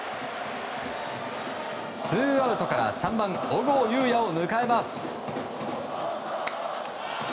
ツーアウトから３番、小郷裕哉を迎えます。